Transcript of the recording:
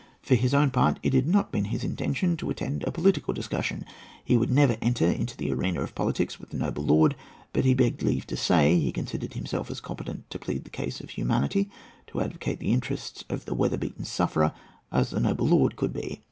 For his own part, it had not been his intention to attend a political discussion. He would never enter the arena of politics with the noble lord; but he begged leave to say, he considered himself as competent to plead the cause of humanity, to advocate the interests of the weather beaten sufferer, as the noble lord could be.